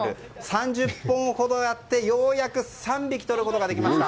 ３０分ほどやってようやく３匹とることができました。